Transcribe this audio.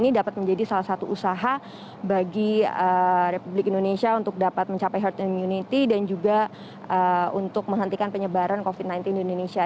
ini dapat menjadi salah satu usaha bagi republik indonesia untuk dapat mencapai herd immunity dan juga untuk menghentikan penyebaran covid sembilan belas di indonesia